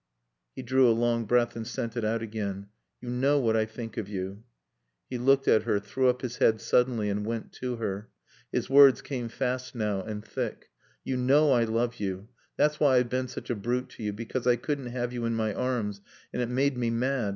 _" He drew a long breath and sent it out again. "You know what I think of you." He looked at her, threw up his head suddenly and went to her. His words came fast now and thick. "You know I love you. That's why I've been such a brute to you because I couldn't have you in my arms and it made me mad.